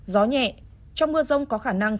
gió nhẹ trong mưa rông có khả năng